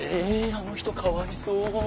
あの人かわいそう。